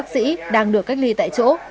một tỷ đang được cách ly tại chỗ